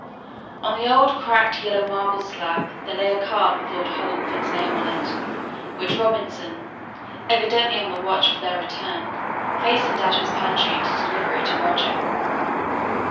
On the old cracked yellow marble slab, there lay a card with Lord Hollingford's name on it, which Robinson, evidently on the watch for their return, hastened out of his pantry to deliver to Roger.